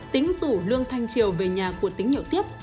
tính rủ lương thanh triều về nhà của tính nhậu tiếp